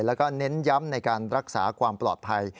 และแนะนำในการรักษาความปลอดภัย